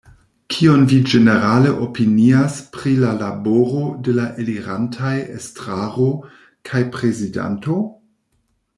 Kion vi ĝenerale opinias pri la laboro de la elirantaj estraro kaj prezidanto?